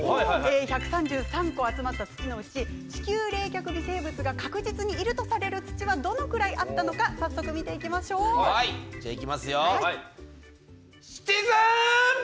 １３３個集まった土のうち地球冷却微生物が確実にいるとされる土はどのくらいあったのかシチズン。